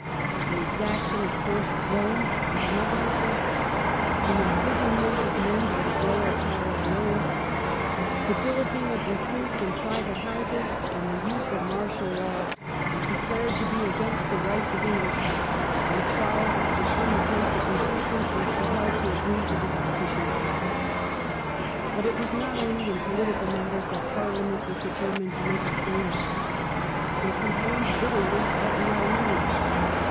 The exaction of forced loans and benevolences, the imprisonment of men by the Royal power alone, the billeting of recruits in private houses, and the use of martial law, were de ARMINIANISM. 23 clared to be against the rights of Englishmen; and Charles, after some attempts at resistance, was compelled to agree to this " Petition of Right". But it was not only in political matters that Parliament was determined to make a stand. They complained bit terly of the "Arminians".